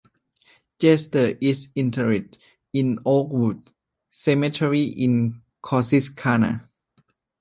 Jester is interred in Oakwood Cemetery in Corsicana.